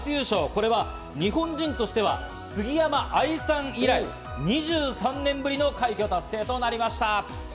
これは日本人としては杉山愛さん以来、２３年ぶりの快挙達成となりました。